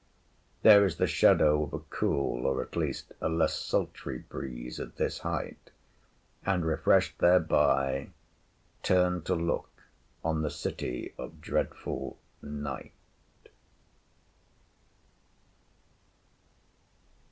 There is the shadow of a cool, or at least a less sultry breeze at this height; and, refreshed thereby, turn to look on the City of Dreadful Night.